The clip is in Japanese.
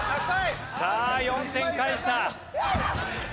さあ４点返した。